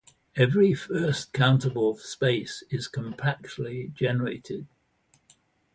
Every first-countable space is compactly generated.